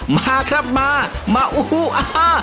มาครับมามาอู้อ่า